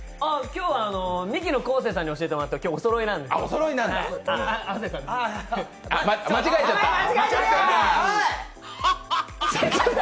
今日はミキの昴生さんに教えてもらった、おそろいなんですあ、亜生さん。